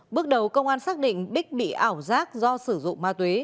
bước đầu công an xác định bích bị ảo giác do sử dụng ma túy